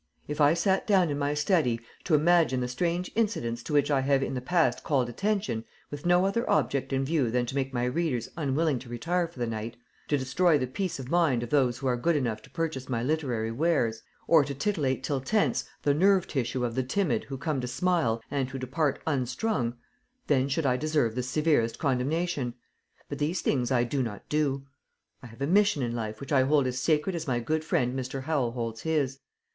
If I sat down in my study to imagine the strange incidents to which I have in the past called attention, with no other object in view than to make my readers unwilling to retire for the night, to destroy the peace of mind of those who are good enough to purchase my literary wares, or to titillate till tense the nerve tissue of the timid who come to smile and who depart unstrung, then should I deserve the severest condemnation; but these things I do not do. I have a mission in life which I hold as sacred as my good friend Mr. Howells holds his.